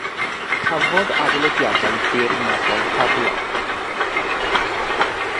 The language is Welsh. Cafodd adolygiadau beirniadol ffafriol.